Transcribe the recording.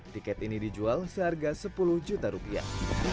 tiket ini dijual seharga sepuluh juta rupiah